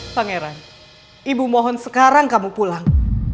pangeran ibu mohon sekarang kamu pulang